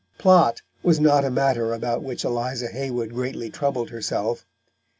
Plot was not a matter about which Eliza Haywood greatly troubled herself.